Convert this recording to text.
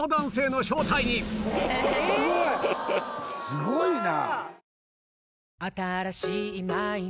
すごいな！